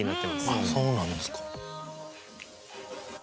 あっそうなんですか。